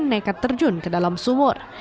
nekat terjun ke dalam sumur